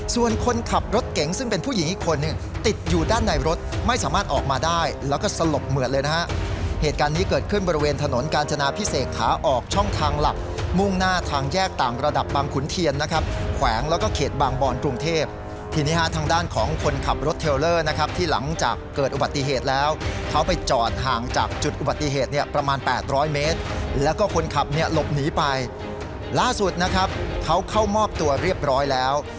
ส่วนคนขับรถเก่งซึ่งเป็นผู้หญิงอีกคนเนี่ยติดอยู่ด้านในรถไม่สามารถออกมาได้แล้วก็สลบเหมือนเลยนะฮะเหตุการณ์นี้เกิดขึ้นบริเวณถนนกาญจนาพิเศษขาออกช่องทางหลับมุ่งหน้าทางแยกต่างระดับบางขุนเทียนนะครับแขวงแล้วก็เขตบางบอนกรุงเทพทีนี้ฮะทางด้านของคนขับรถเทอร์เลอร์นะครับที่หลังจากเ